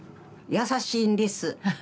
優しいんです。